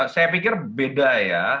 saya pikir beda ya